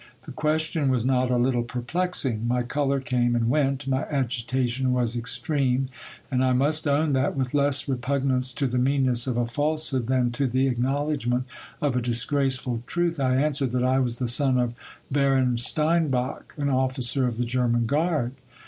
The question was not a little perplexing. My colour came and went, my agitation was extreme : and I must own that, with Less repug nance to the meanness of a falsehood than to the acknowledgment of a dis graceful truth, I answered that I was the son of Baron Steinbach, an officer of the German guard.